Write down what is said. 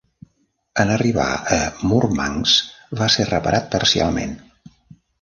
En arribar a Murmansk, va ser reparat parcialment.